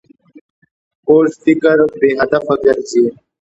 کوږ فکر بې هدفه ګرځي